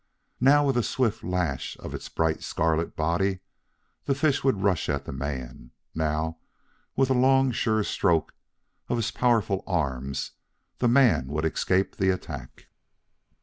Now, with a swift lash of its bright scarlet body, the fish would rush at the man; now, with a long sure stroke of his powerful arms, the man would escape the attack.